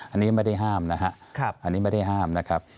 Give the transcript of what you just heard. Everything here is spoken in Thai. อันนี้ไม่ได้ห้ามนะครับ